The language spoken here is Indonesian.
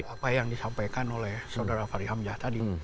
apa yang disampaikan oleh saudara faryamsa tadi